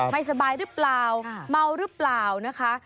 ไม่สบายหรือเปล่าเมาหรือเปล่านะคะ